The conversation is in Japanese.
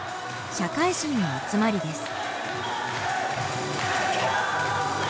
社会人の集まりです。